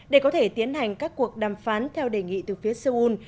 để có thể tiến hành các cuộc đàm phán theo đề nghị từ phía seoul